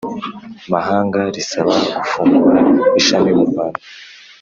mahanga risaba gufungura ishami mu Rwanda